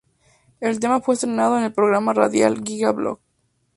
El tema fue estrenado en el programa radial Giga Blog.